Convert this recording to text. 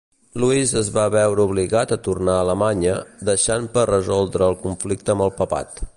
Louis es va veure obligat a tornar a Alemanya, deixant per resoldre el conflicte amb el papat.